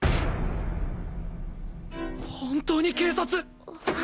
本当に警察！